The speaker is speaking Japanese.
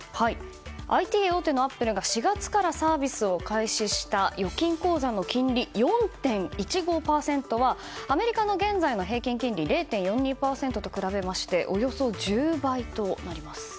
ＩＴ大手のアップルが４月からサービスを開始した預金口座の金利４．１５％はアメリカの現在の平均金利０．４２％と比べましておよそ１０倍となります。